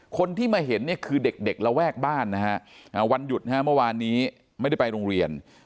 คนที่มาเห็นคือเด็กระแวกบ้านวันหยุดเมื่อวานนี้ไม่ได้ไปโรงเรียน